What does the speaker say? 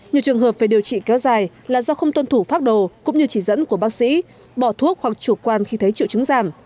nhiều trường hợp phải điều trị kéo dài là do không tuân thủ phác đồ cũng như chỉ dẫn của bác sĩ bỏ thuốc hoặc chủ quan khi thấy triệu chứng giảm